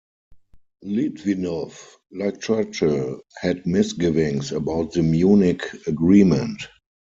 Litvinov, like Churchill, had misgivings about the Munich Agreement.